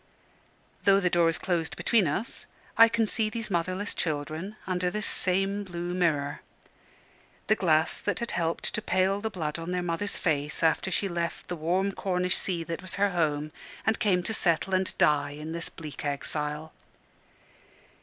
Though the door is closed between us, I can see these motherless children under this same blue mirror the glass that had helped to pale the blood on their mother's face after she left the warm Cornish sea that was her home, and came to settle and die in this bleak exile.